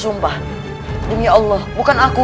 sakit mengambil semua nafsuagu